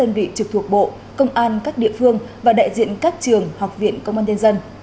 hội nghị được tổ chức trực thuộc bộ công an các địa phương và đại diện các trường học viện công an nhân dân